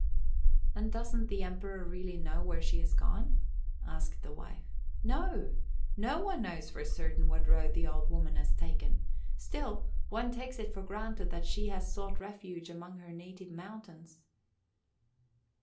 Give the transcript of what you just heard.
"And doesn't the Emperor really know where she has gone?" asked the wife. "No! No one knows for certain what road the old woman has taken. Still, one takes it for granted that she has sought refuge among her native mountains."